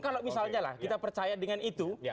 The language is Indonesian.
kalau misalnya lah kita percaya dengan itu